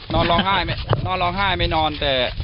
นอนร้องไห้ไม่นอนแต่